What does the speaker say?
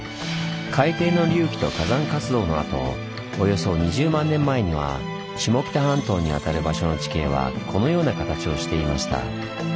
海底の隆起と火山活動のあとおよそ２０万年前には下北半島にあたる場所の地形はこのような形をしていました。